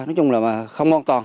nói chung là không an toàn